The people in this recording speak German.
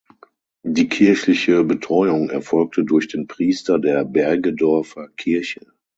Die kirchliche Betreuung erfolgte durch den Priester der Bergedorfer Kirche.